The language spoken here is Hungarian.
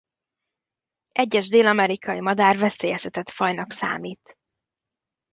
Egyes dél-amerikai madár veszélyeztetett fajnak számít.